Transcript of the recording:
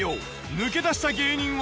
抜け出した芸人は。